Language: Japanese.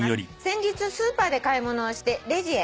「先日スーパーで買い物をしてレジへ」